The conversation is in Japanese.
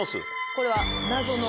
これは。